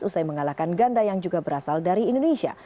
usai mengalahkan ganda yang juga berasal dari indonesia